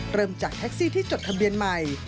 เริ่มจากแท็กซี่ที่จดทะเบียนใหม่